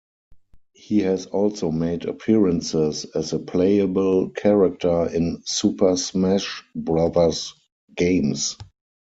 He has also made appearances as a playable character in "Super Smash Brothers" games.